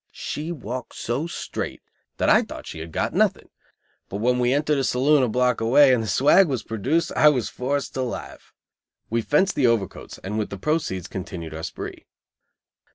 She walked so straight that I thought she had got nothing, but when we entered a saloon a block away, and the swag was produced, I was forced to laugh. We "fenced" the overcoats and with the proceeds continued our spree.